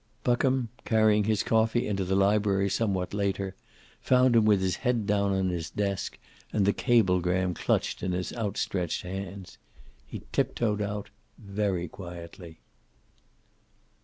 Buckham, carrying his coffee into the library somewhat later, found him with his head down on his desk, and the cablegram clutched in his outstretched hands. He tip toed out, very quietly.